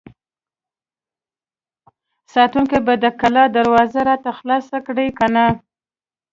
ساتونکي به د کلا دروازه راته خلاصه کړي که نه!